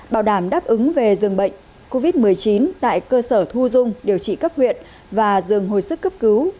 bảo đảm đáp ứng về dường bệnh covid một mươi chín tại cơ sở thu dung điều trị cấp huyện và rừng hồi sức cấp cứu